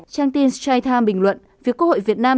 trang tin stritham bình luận việc quốc hội việt nam